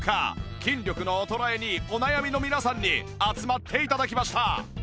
筋力の衰えにお悩みの皆さんに集まって頂きました